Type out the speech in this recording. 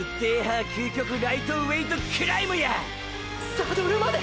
サドルまで！！